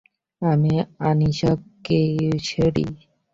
আমি আনিশা কুরেশি।